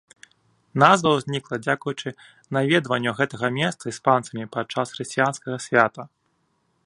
Назва ўзнікла дзякуючы наведванню гэтага месца іспанцамі падчас хрысціянскага свята.